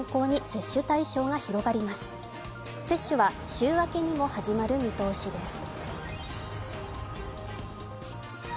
接種は週明けにも始まる見通しです。